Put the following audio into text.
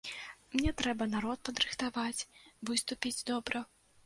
Мне трэба народ падрыхтаваць, выступіць добра.